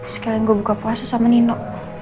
sekarang gue buka puasa sama nino